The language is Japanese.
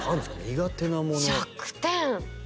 苦手なもの弱点